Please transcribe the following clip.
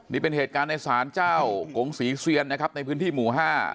นี่เป็นเหตุการณ์ในศาลเจ้ากงศรีเซียนนะครับในพื้นที่หมู่ห้า